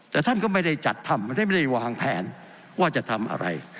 แต่ท่านก็ไม่ได้จัดทำท่านไม่ได้วางแผนว่าจะทำอะไร